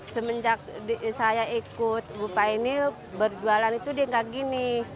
semenjak saya ikut bupaini berjualan itu dia gak gini